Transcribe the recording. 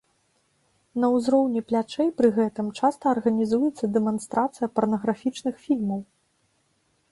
На ўзроўні плячэй пры гэтым часта арганізуецца дэманстрацыя парнаграфічных фільмаў.